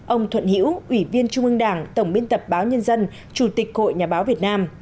ông thuận hiễu ủy viên trung ương đảng tổng biên tập báo nhân dân chủ tịch hội nhà báo việt nam